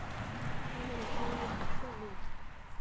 他们的生意很顺利